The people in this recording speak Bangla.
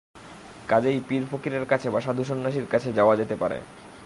কাজেই পীর-ফকিরের কাছে বা সাধুসন্ন্যাসীর কাছে যাওয়া যেতে পারে।